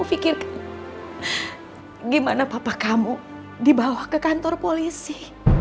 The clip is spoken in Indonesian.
pikirkan gimana papa kamu dibawa ke kantor polisi